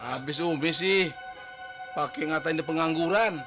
habis umbi sih pake ngatain di pengangguran